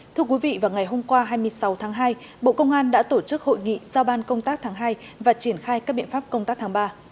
thưa quý vị vào ngày hôm qua hai mươi sáu tháng hai bộ công an đã tổ chức hội nghị giao ban công tác tháng hai và triển khai các biện pháp công tác tháng ba